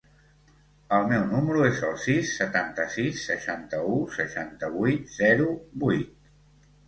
El meu número es el sis, setanta-sis, seixanta-u, seixanta-vuit, zero, vuit.